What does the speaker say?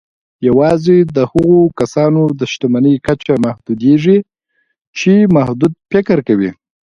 يوازې د هغو کسانو د شتمني کچه محدودېږي چې محدود فکر کوي.